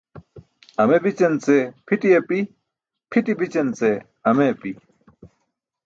Ame bićance ce pʰiṭi api, pʰiṭi bićance ce ame api.